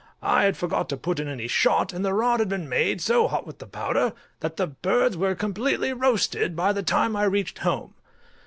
I had forgot to put in any shot, and the rod had been made so hot with the powder, that the birds were completely roasted by the time I reached home.